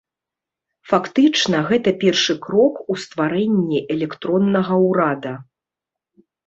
Фактычна, гэта першы крок у стварэнні электроннага ўрада.